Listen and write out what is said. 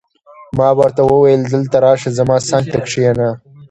ما ورته وویل: دلته راشه، زما څنګ ته کښېنه.